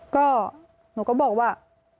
ก็หนูก็บอกว่า